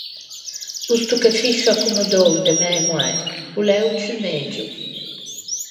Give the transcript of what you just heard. O stocchefisce accommodou de mæ moæ o l’é o ciù megio!